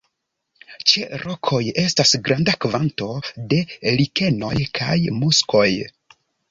Ĉe rokoj estas granda kvanto de likenoj kaj muskoj.